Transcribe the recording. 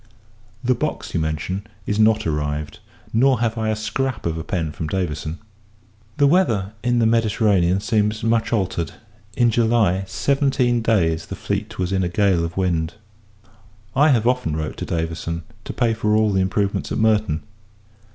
The box you mention, is not arrived; nor have I a scrap of a pen from Davison. The weather in the Mediterranean seems much altered. In July, seventeen days the fleet was in a gale of wind. I have often wrote to Davison, to pay for all the improvements at Merton.